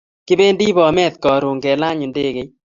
Kipendi bomet karun kelan ndegeit .